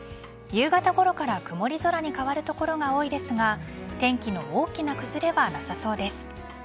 夕方ごろから曇り空に変わる所が多いですが天気の大きな崩れはなさそうです。